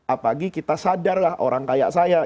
apalagi kita sadarlah orang kayak saya